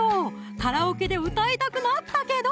カケオケで歌いたくなったけど！